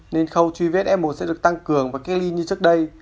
nên khâu truy vết f một sẽ được tăng cường và cách ly như trước đây